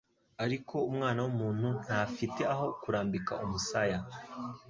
ariko Umwana w'umuntu ntafite aho kurambika umusaya."